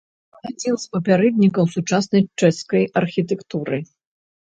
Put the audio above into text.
Адзін з папярэднікаў сучаснай чэшскай архітэктуры.